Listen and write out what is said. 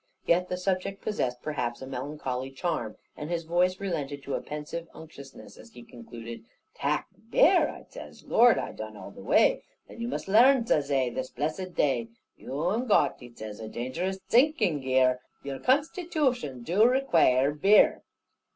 Yet the subject possessed perhaps a melancholy charm, and his voice relented to a pensive unctuousness, as he concluded. "'Tak beer!' I zays, 'Lor, I dunnow the way!' 'Then you must larn,' zays he, 'this blessed day: You'm got,' he zays, 'a daungerous zinking here, Your constitooshun do requaire beer.